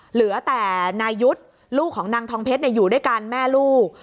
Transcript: เหลือแต่นายุทธ์ลูกของนางทองเพชรอยู่ด้วยกันแม่ลูก